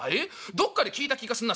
『どっかで聞いた気がすんな。